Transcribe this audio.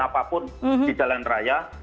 apapun di jalan raya